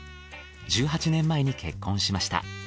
１８年前に結婚しました。